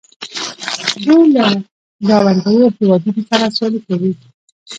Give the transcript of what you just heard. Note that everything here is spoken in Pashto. دوی له ګاونډیو هیوادونو سره سیالي کوي.